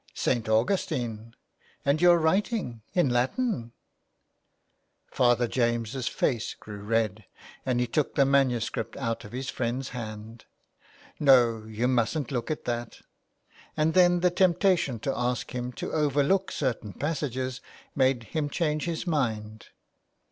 St. Augustine ! And you're writing in Latin !" Father James's face grew red, and he took the manuscript out of his friend's hand. ^' No, you mustn't look at that." And then the temptation to ask him to overlook certain passages made him change his mind.